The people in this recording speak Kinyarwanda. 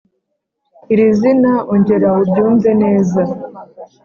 iri zina ongera uryumve neza